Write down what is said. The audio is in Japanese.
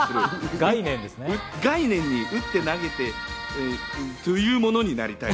打って投げてというものになりたい。